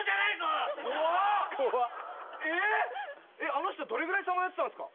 あの人どれぐらいさまよってたんですか？